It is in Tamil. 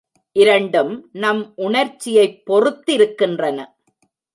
இரண்டும் நம் உணர்ச்சியைப் பொறுத்திருக்கின்றன.